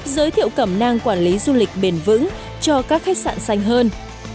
giới thiệu cẩm năng quản lý du lịch bền vững cho các khách sạn xanh hơn